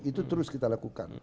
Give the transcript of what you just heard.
itu terus kita lakukan